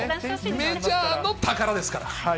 メジャーの宝ですから。